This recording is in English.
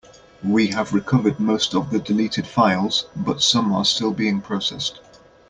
We have recovered most of the deleted files, but some are still being processed.